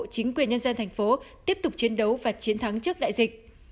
chính quyền nhân dân thành phố tiếp tục chiến đấu và chiến thắng trước đại dịch